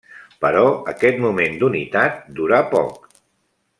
Però aquest moment d'unitat durà poc.